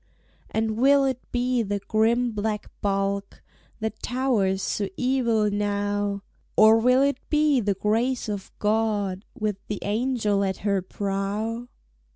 And will it be the grim black bulk, That towers so evil now? Or will it be The Grace of God, With the angel at her prow?